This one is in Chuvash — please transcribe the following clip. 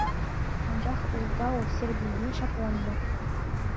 Анчах ултав серепине ҫакланнӑ.